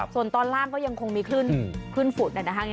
ส่วนตอนล่างก็ยังคงมีขึ้นฝุ่น